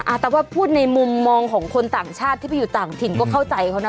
แต่ว่าพูดในมุมมองของคนต่างชาติที่ไปอยู่ต่างถิ่นก็เข้าใจเขานะ